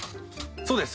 そうです。